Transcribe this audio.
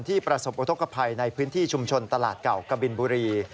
ประสบอุทธกภัยในพื้นที่ชุมชนตลาดเก่ากบินบุรี